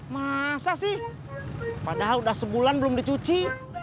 masa sih padahal sudah sebulan belum dicuci